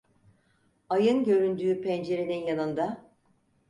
Ayın göründüğü pencerenin yanında...